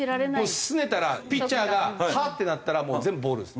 もうすねたらピッチャーがはあ？ってなったら全部ボールです。